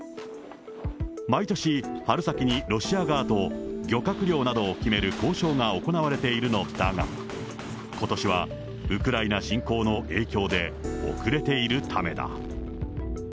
毎年、春先にロシア側と漁獲量などを決める交渉が行われているのだが、ことしはウクライナ侵攻の影響で遅れているためだ。